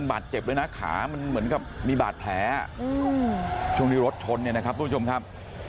บาดเจ็บด้วยนะขามันเหมือนกับมีบาดแผลช่วงที่รถชนเนี่ยนะครับทุกผู้ชมครับ